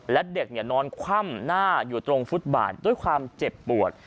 และเด็กนอนคว่ำหน้าอยู่ตรงฟุตบาทด้วยความเจ็บปวด